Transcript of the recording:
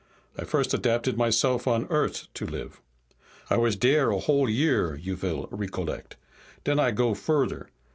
I first adapted myself on Eart' to live. I was dere a whole year, you vill recollect. Den I go further.